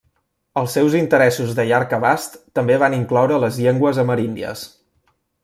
Els seus interessos de llarg abast també van incloure les llengües ameríndies.